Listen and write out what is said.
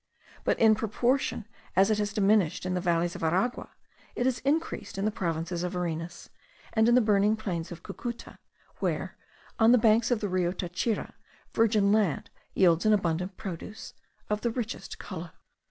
But in proportion as it has diminished in the valleys of Aragua, it has increased in the province of Varinas, and in the burning plains of Cucuta, where, on the banks of the Rio Tachira, virgin land yields an abundant produce, of the richest colour.